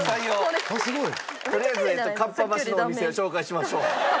とりあえずかっぱ橋のお店を紹介しましょう。